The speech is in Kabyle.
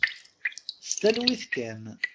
S talwit kan.